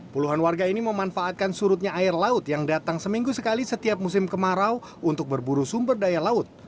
puluhan warga ini memanfaatkan surutnya air laut yang datang seminggu sekali setiap musim kemarau untuk berburu sumber daya laut